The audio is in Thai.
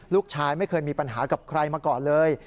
ลูกชายไม่เคยมีปัญหากับใครมาก่อนเลย